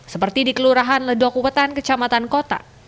seperti di kelurahan ledok wetan kecamatan kota